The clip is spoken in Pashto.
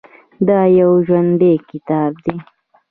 دا یو ژوندی کتاب دی.